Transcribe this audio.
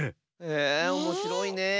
えおもしろいねえ。